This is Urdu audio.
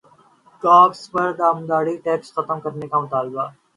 کپاس پر درامدی ٹیکس ختم کرنے کا مطالبہ